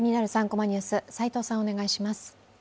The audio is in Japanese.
３コマニュース」、齋藤さん、お願いします。